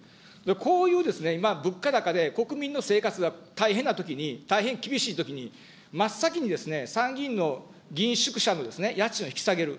こういうですね、今、物価高で国民の生活が大変なときに、大変厳しいときに、真っ先に参議院の議員宿舎の家賃を引き下げる。